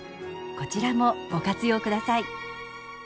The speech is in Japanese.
こちらもご活用ください。